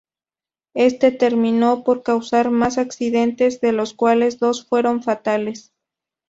Esto terminó por causar más accidentes, de los cuales dos fueron fatales.